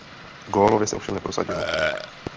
Gólově se ovšem neprosadil.